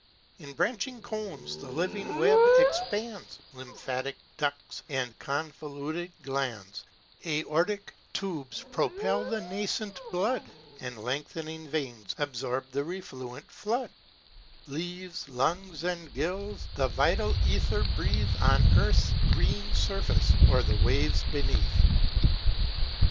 In branching cones the living web expands, Lymphatic ducts, and convoluted glands; 260 Aortal tubes propel the nascent blood, And lengthening veins absorb the refluent flood; Leaves, lungs, and gills, the vital ether breathe On earth's green surface, or the waves beneath.